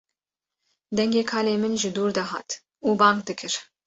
Dengê kalê min ji dûr de hat û bang dikir